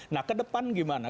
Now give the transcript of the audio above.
nah ke depan gimana